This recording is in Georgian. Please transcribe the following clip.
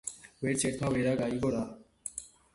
ვერც ერთმა ვერა გაიგო რა.